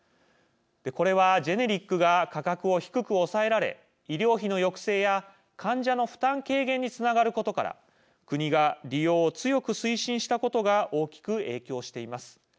これは、ジェネリックが価格を低く抑えられ医療費の抑制や患者の負担軽減につながることから国が利用を強く推進したことが大きく影響しています。